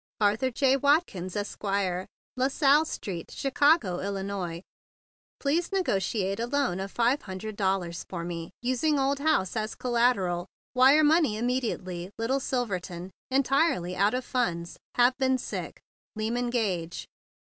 " Arthur J. Watkins, Esq., " LaSalle Street, Chicago, Ill. " Please negotiate a loan of five hundred dollars for me, using old house as collateral. Wire money immediately Little Silverton. Entirely out of funds. Have been sick. Lymax Gage.